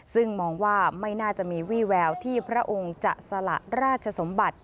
ซึ่งมองว่าไม่น่าจะมีวี่แววที่พระองค์จะสละราชสมบัติ